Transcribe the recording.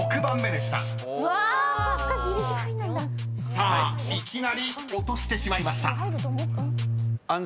［さあいきなり落としてしまいました］